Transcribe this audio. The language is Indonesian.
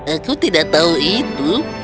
aku tidak tahu itu